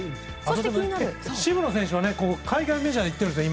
渋野選手は海外メジャーいってるんです。